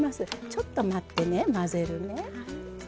ちょっと待ってね、混ぜるね。